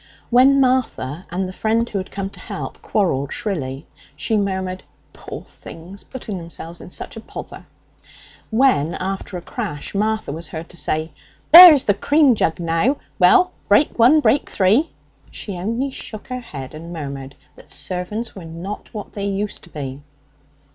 When Martha and the friend who had come to help quarrelled shrilly, she murmured, 'Poor things! putting themselves in such a pother!' When, after a crash, Martha was heard to say, 'There's the cream jug now! Well, break one, break three!' she only shook her head, and murmured that servants were not what they used to be.